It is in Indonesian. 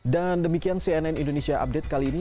dan demikian cnn indonesia update kali ini